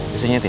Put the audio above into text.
biasanya tuh ya